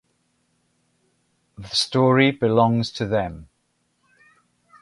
The story belongs to them.